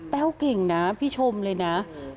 เก่งนะพี่ชมเลยนะ